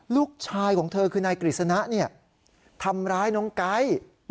ลูกชายของเธอคือนายกริสนะเนี่ยทำร้ายน้องไก๊